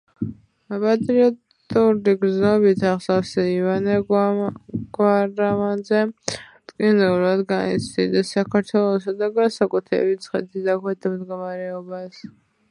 პატრიოტული გრძნობით აღსავსე ივანე გვარამაძე მტკივნეულად განიცდიდა საქართველოსა და, განსაკუთრებით, მესხეთის დაქვეითებულ მდგომარეობას.